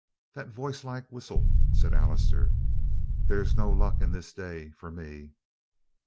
"That voicelike whistle," said Allister. "There's no luck in this day for me."